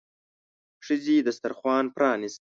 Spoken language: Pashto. ښځې دسترخوان پرانيست.